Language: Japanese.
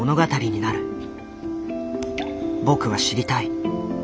僕は知りたい。